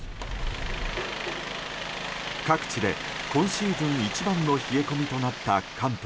各地で今シーズン一番の冷え込みとなった関東。